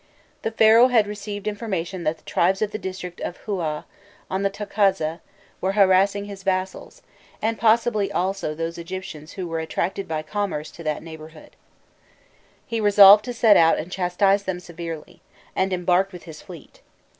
The Pharaoh had received information that the tribes of the district of Hûâ, on the Tacazze, were harassing his vassals, and possibly also those Egyptians who were attracted by commerce to that neighbourhood. He resolved to set out and chastise them severely, and embarked with his fleet.